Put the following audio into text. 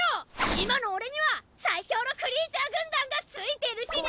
今の俺には最強のクリーチャー軍団がついてるしね！